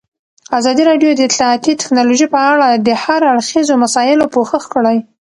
ازادي راډیو د اطلاعاتی تکنالوژي په اړه د هر اړخیزو مسایلو پوښښ کړی.